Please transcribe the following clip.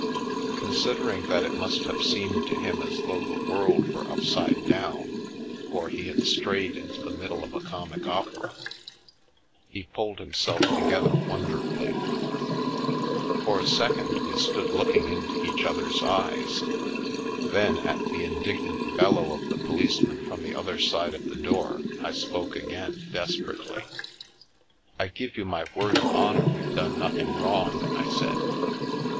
Considering that it must have seemed to him as though the world were upside down, or he had strayed into the middle of a comic opera, he pulled himself together won derfully. For a second, we stood looking into each other's eyes, then at the indignant bellow of the po liceman from the other side of the door, I spoke again, desperately. " I give you my word of honour we've done nothing wrong," I said.